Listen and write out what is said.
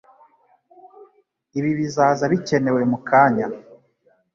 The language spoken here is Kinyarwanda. Ibi bizaza bikenewe mukanya.